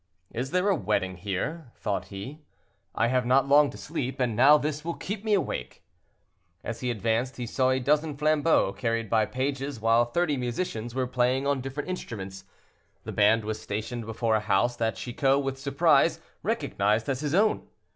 "Is there a wedding here?" thought he, "I have not long to sleep, and now this will keep me awake." As he advanced, he saw a dozen flambeaux carried by pages, while thirty musicians were playing on different instruments. The band was stationed before a house, that Chicot, with surprise, recognized as his own.